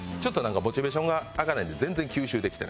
モチベーションが上がらないんで全然吸収できてない。